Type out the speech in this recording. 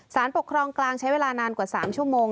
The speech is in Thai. สารปกครองกลางใช้เวลานานกว่า๓ชั่วโมง